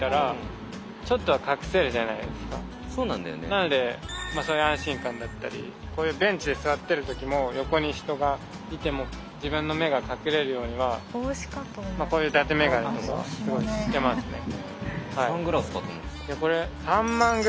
なのでそういう安心感だったりこういうベンチで座ってる時も横に人がいても自分の目が隠れるようにはこういうだてメガネとかすごいしてますね。